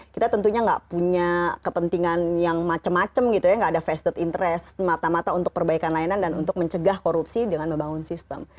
kita tentunya nggak punya kepentingan yang macam macam gitu ya nggak ada vested interest mata mata untuk perbaikan layanan dan untuk mencegah korupsi dengan membangun sistem